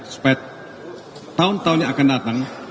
supaya tahun tahun yang akan datang